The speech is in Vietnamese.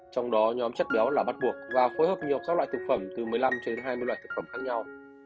trong đó nhóm chất béo là bắt buộc và phối hợp nhiều các loại thực phẩm từ một mươi năm trên hai mươi loại thực phẩm khác nhau